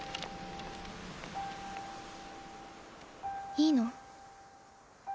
いいの？